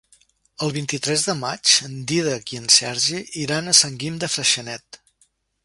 El vint-i-tres de maig en Dídac i en Sergi iran a Sant Guim de Freixenet.